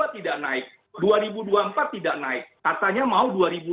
dua ribu dua puluh dua tidak naik dua ribu dua puluh empat tidak naik katanya mau dua ribu dua puluh lima